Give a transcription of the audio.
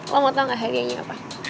lo mau tau gak hadiahnya apa